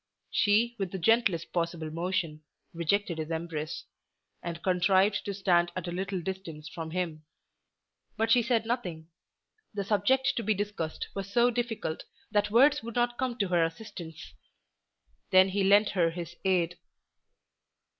She with the gentlest possible motion rejected his embrace, and contrived to stand at a little distance from him. But she said nothing. The subject to be discussed was so difficult that words would not come to her assistance. Then he lent her his aid.